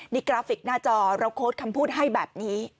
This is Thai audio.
นี่กราฟิกหน้าจอเราโค้ดคำพูดให้แบบนี้